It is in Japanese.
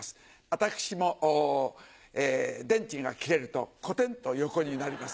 私も電池が切れるとコテンと横になります。